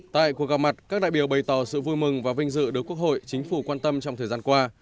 tại cuộc gặp mặt các đại biểu bày tỏ sự vui mừng và vinh dự được quốc hội chính phủ quan tâm trong thời gian qua